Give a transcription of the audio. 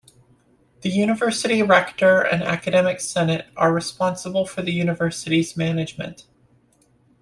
The university Rector and Academic Senate are responsible for the university's management.